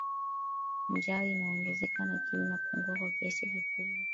njaa inaongezeka na kiu inapungua kwa kiasi kikubwa